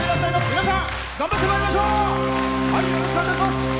皆さん、頑張ってまいりましょう。